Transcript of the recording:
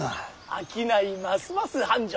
商いますます繁盛！